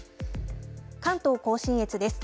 関東甲信越です。